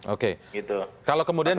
oke kalau kemudian